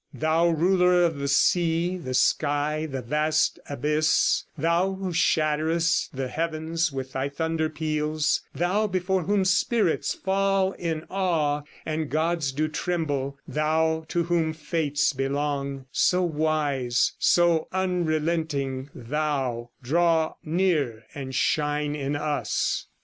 "Thou ruler of the sea, the sky, and vast abyss, Thou who shatterest the heavens with Thy thunder peals; Thou before whom spirits fall in awe, and gods do tremble; Thou to whom fates belong, so wise, so unrelenting Thou; Draw near and shine in us."